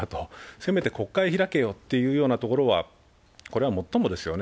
せめて国会開けよというところは、もっともですよね。